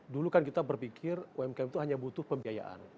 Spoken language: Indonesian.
dulu kan kita berpikir umkm itu hanya butuh pembiayaan